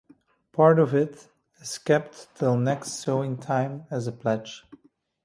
Part of it is kept till next sowing-time as a pledge.